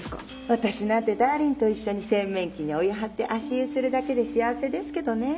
私なんてダーリンと一緒に洗面器にお湯張って足湯するだけで幸せですけどねぇ。